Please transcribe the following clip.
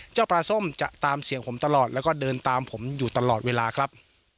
เจ้าปลาส้มจะตามเสียงผมตลอดแล้วก็เดินตามผมอยู่ตลอดเวลาครับ